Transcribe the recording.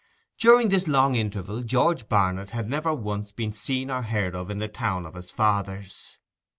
During this long interval George Barnet had never once been seen or heard of in the town of his fathers.